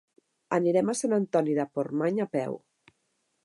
Anirem a Sant Antoni de Portmany a peu.